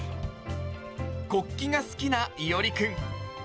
国旗が好きないよりくん。